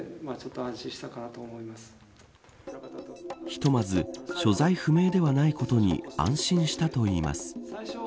ひとまず所在不明ではないことに安心したといいます。